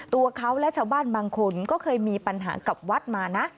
ตัวเขาและชาวบ้านบางคนก็เคยมีปัญหากับวัดมานะ